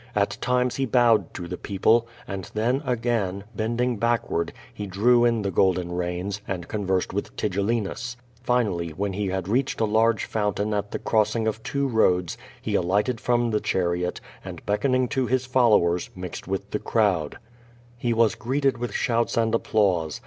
At times he bowed to the people, and then, agam, bending backward, he drew in the golden reins, and conversed with Tigellinus. Finally, when he had reached a largb fountain at tlie crossing of two roads, he alighted from the chariot, and, beckoning to his followers, mixed with the\i:mvd. lie was greeted mth shouts and applause.